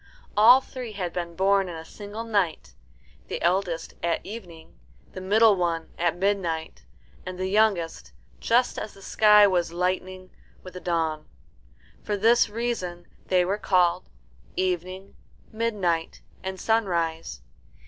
All three had been born in a single night: the eldest at evening, the middle one at midnight, and the youngest just as the sky was lightening with the dawn. For this reason they were called Evening, Midnight, and Sunrise.